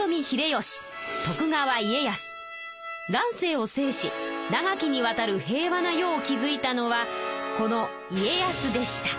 乱世を制し長きにわたる平和な世を築いたのはこの家康でした。